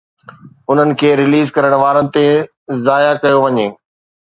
انهن کي ريليز ڪرڻ وارن تي ضايع ڪيو وڃي.